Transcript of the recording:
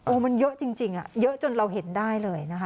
มันเยอะจริงเยอะจนเราเห็นได้เลยนะคะ